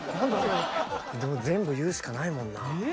でも全部言うしかないもんな。